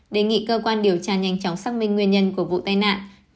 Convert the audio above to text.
đề nghị cơ quan điều tra nhanh chóng xác minh nguyên nhân của vụ tai nạn